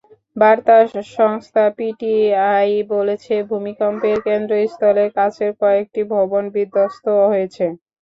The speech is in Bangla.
বার্তা সংস্থা পিটিআই বলেছে, ভূমিকম্পের কেন্দ্রস্থলের কাছের কয়েকটি ভবন বিধ্বস্ত হয়েছে।